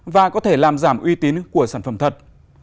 và có thể làm giảm uy tín của sản phẩm thật